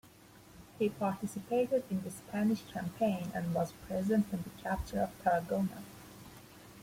He participated in the Spanish campaign and was present at the capture of Tarragona.